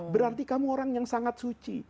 berarti kamu orang yang sangat suci